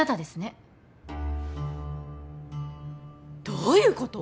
どういうこと！？